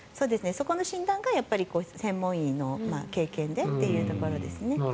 そこの診断が専門医の経験でというところですね。